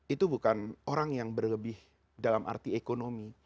itu bukan orang yang berlebih dalam arti ekonomi